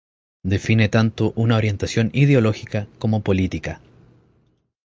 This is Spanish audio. Define tanto una orientación ideológica como política.